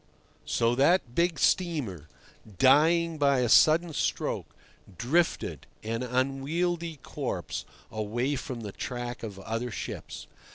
So that big steamer, dying by a sudden stroke, drifted, an unwieldy corpse, away from the track of other ships.